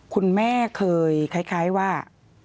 คุณแม่เคยคล้ายว่า